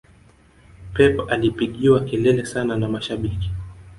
pep alipigiwa kelele sana na mashabiki